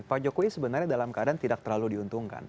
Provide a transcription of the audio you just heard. pak jokowi sebenarnya dalam keadaan tidak terlalu diuntungkan